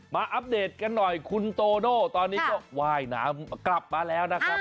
อัปเดตกันหน่อยคุณโตโน่ตอนนี้ก็ว่ายน้ำกลับมาแล้วนะครับ